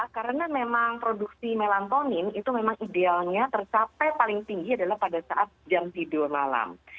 karena memang produksi melantonim itu memang idealnya tercapai paling tinggi adalah pada saat jam tidur malam